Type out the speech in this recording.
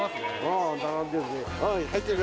ああ並んでるね